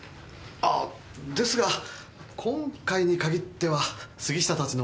あですが今回に限っては杉下たちのおかげで。